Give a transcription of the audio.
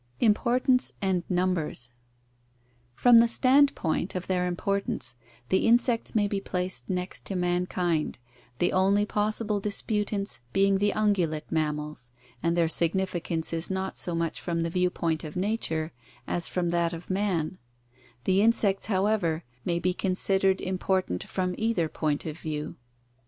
Importance and Numbers. — From the standpoint of their im portance, the insects may be placed next to mankind, th£ only pos sible disputants being the ungulate mammals, and their significance 438 INSECTS 439 is not so much from the view point of nature as from that of man; the insects, however, may be considered important from either point of view.